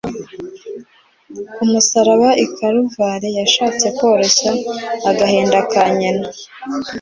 Ku musaraba i Karuvari yashatse koroshya agahinda ka Nyina